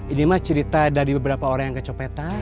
ini mah cerita dari beberapa orang yang kecopetan